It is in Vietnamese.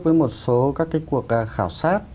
với một số các cuộc khảo sát